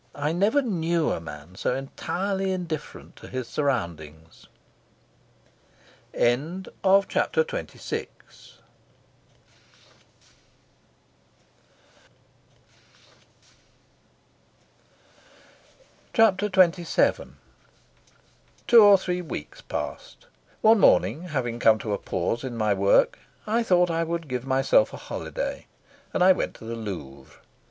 I never knew a man so entirely indifferent to his surroundings. Chapter XXVII Two or three weeks passed. One morning, having come to a pause in my work, I thought I would give myself a holiday, and I went to the Louvre.